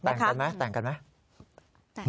แต่งกันไหมแต่งกันไหม